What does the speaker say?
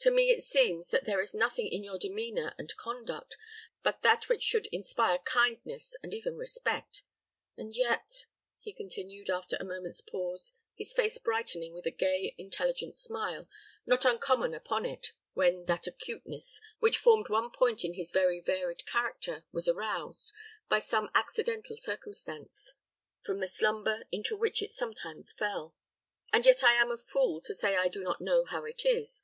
To me it seems that there is nothing in your demeanor and conduct but that which should inspire kindness, and even respect. And yet," he continued, after a moment's pause, his face brightening with a gay, intelligent smile, not uncommon upon it when that acuteness, which formed one point in his very varied character, was aroused, by some accidental circumstance, from the slumber into which it sometimes fell "and yet I am a fool to say I do not know how it is.